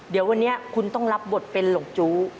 เดี๋ยววันนี้คุณต้องรับบทเป็นหลงจู้